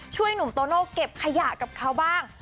หนุ่มโตโน่เก็บขยะกับเขาบ้าง